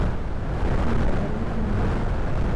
خپل نظریات بیان کړم.